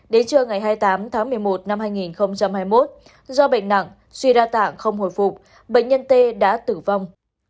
đến trưa ngày hai mươi tám tháng một mươi một năm hai nghìn hai mươi một do bệnh nặng suy đa tạng không hồi phục bệnh nhân t đã tử vong